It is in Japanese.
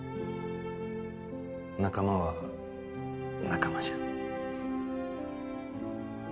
仲間は仲間じゃん。